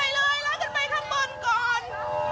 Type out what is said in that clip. ลากขึ้นไปข้างบนก่อน